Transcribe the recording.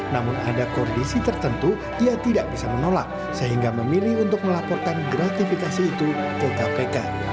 namun ada kondisi tertentu ia tidak bisa menolak sehingga memilih untuk melaporkan gratifikasi itu ke kpk